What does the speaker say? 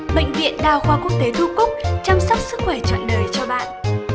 bệnh viện đa khoa quốc tế thu cúc chăm sóc sức khỏe trọn đời cho bạn